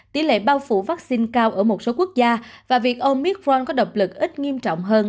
tỷ lệ bao phủ vaccine cao ở một số quốc gia và việc ông midron có độc lực ít nghiêm trọng hơn